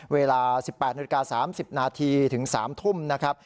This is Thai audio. เวลา๑๘๓๐นถึง๓ทุ่มนะครับ